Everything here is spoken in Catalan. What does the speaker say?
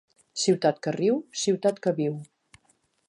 Ciutat que riu, ciutat que viu.